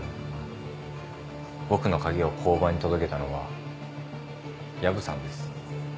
僕の鍵を交番に届けたのは薮さんです。